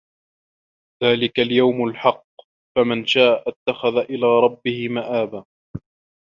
ذلِكَ اليَومُ الحَقُّ فَمَن شاءَ اتَّخَذَ إِلى رَبِّهِ مَآبًا